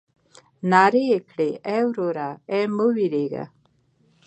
نارې يې کړې ای وروره ای مه وېرېږه.